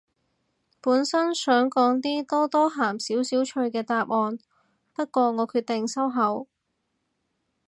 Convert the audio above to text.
本身想講啲多多鹹少少趣嘅答案，不過我決定收口